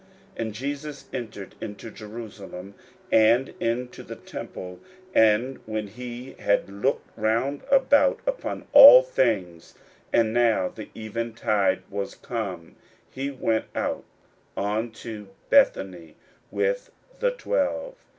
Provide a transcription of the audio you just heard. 41:011:011 And Jesus entered into Jerusalem, and into the temple: and when he had looked round about upon all things, and now the eventide was come, he went out unto Bethany with the twelve.